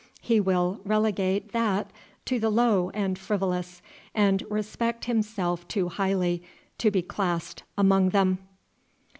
He will relegate that to the low and frivolous, and respect himself too highly to be classed among them.